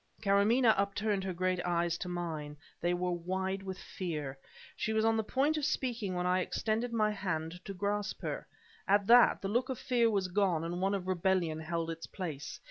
Karamaneh upturned her great eyes to mine. They were wide with fear. She was on the point of speaking when I extended my hand to grasp her. At that, the look of fear was gone and one of rebellion held its place.